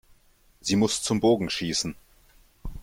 Sie muss zum Bogenschießen.